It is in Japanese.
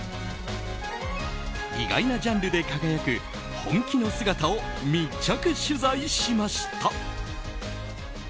意外なジャンルで輝く本気の姿を密着取材しました。